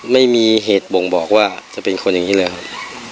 ไม่มีเหตุบ่งบอกว่าจะเป็นคนอย่างนี้เลยครับ